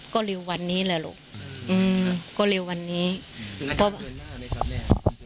ก็เร็ววันนี้แหละลูกอืมก็เร็ววันนี้อืมอันที่หลือหน้าไหมครับแม่